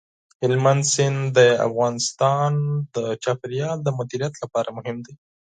هلمند سیند د افغانستان د چاپیریال د مدیریت لپاره مهم دي.